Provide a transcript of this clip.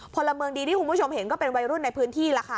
พลเมืองดีที่คุณผู้ชมเห็นก็เป็นวัยรุ่นในพื้นที่ล่ะค่ะ